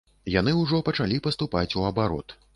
Яны ўжо пачалі паступаць у абарот.